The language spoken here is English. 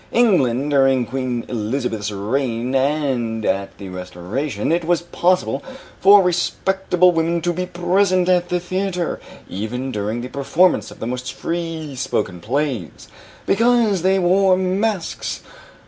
In England, during Queen Elizabeth's reign and at the Restoration, it was possible for respectable women to be present at the theatre, even during the performance of the most free spoken plays, because they wore masks.